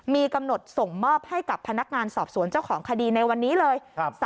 มีกำหนดส่งมอบให้กับพนักงานสอบสวนเจ้าของคดีในวันนี้เลย